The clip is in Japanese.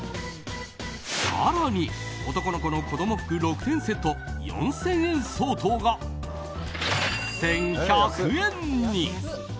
更に男の子の子供服６点セット４０００円相当が１１００円に！